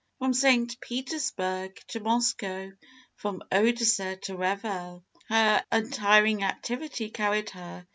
From St. Petersburg to Moscow, from Odessa to Revel, her untiring activity carried her.